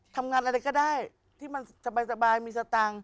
ทำงานอะไรก็ได้ที่มันสบายมีสตางค์